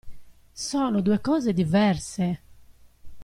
Sono due cose diverse!